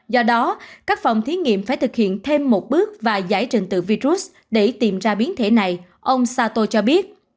do đó các phòng thí nghiệm phải thực hiện thêm một bước và giải trình từ virus để tìm ra biến thể này ông sato cho biết